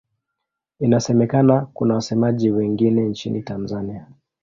Inasemekana kuna wasemaji wengine nchini Tanzania.